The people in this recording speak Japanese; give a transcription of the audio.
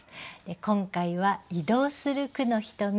今回は「移動する『句のひとみ』」